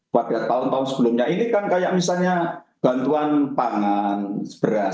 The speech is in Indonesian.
pada tahun tahun sebelumnya ini kan kayak misalnya bantuan pangan beras